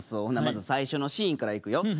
ほなまず最初のシーンからいくよ。